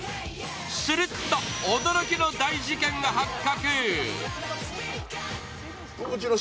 すると驚きの大事ケンが発覚。